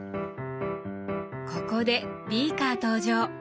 ここでビーカー登場！